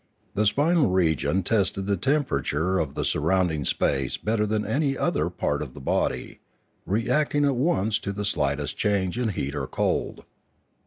The spinal region tested the temperature of the sur rounding space better than any other part of the body, reacting at once to the slightest change in heat or cold.